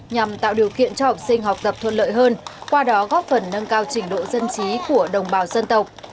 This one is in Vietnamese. nhằm tạo điều kiện cho học sinh học tập thuận lợi hơn qua đó góp phần nâng cao trình độ dân trí của đồng bào dân tộc